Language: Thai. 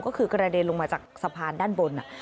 ก็คือกระเด็นลงมาจากสะพานด้านบน